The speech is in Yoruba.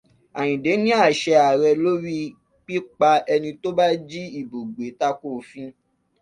Àyìndé ní àṣẹ ààrẹ lórí pípa ẹni tó bá jí ìbò gbé tako òfin.